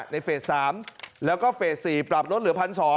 เฟส๓แล้วก็เฟส๔ปรับลดเหลือ๑๒๐๐